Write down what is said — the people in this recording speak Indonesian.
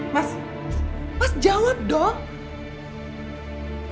mas mas jawab dong